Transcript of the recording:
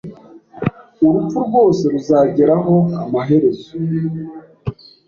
Urupfu rwose ruzageraho, amaherezo…